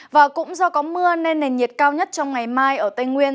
và cũng do có mưa nên nền nhiệt cao nhất trong ngày mai ở tây nguyên